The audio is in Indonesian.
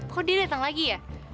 kok dia datang lagi ya